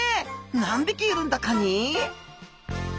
何匹いるんだカニ？